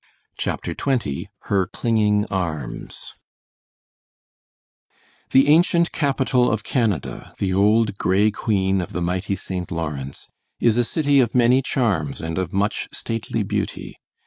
CHAPTER XX HER CLINGING ARMS The ancient capital of Canada the old gray queen of the mighty St. Lawrence is a city of many charms and of much stately beauty.